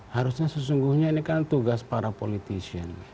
harusnya sesungguhnya ini kan tugas para politician